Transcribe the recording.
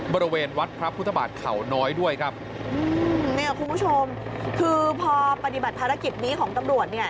บริเวณวัดพระพุทธบาทเขาน้อยด้วยครับเนี่ยคุณผู้ชมคือพอปฏิบัติภารกิจนี้ของตำรวจเนี่ย